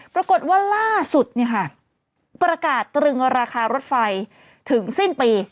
ปรากฏว่าล่าสุดประกาศตรึงราคารถไฟถึงสิ้นปี